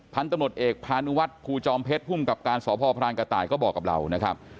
พันธุ์ตำรวจเอกพาณุวัฒน์ภูจอมเพชรหุ้มกรรมการสพกต่ายก็บอกกับเรานะครับ